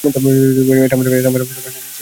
এটা আমার একটা সমস্যা, স্বীকার করে নিচ্ছি।